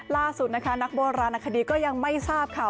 ล่าสุดนะคะนักโบราณอคดีก็ยังไม่ทราบค่ะ